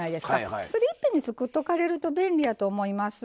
それいっぺんに作っとかれると便利やと思います。